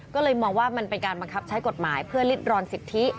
ก็เลยมองว่ามันเป็นการบังคับใช้กฎหมายเพื่อลิดรอนสิทธิ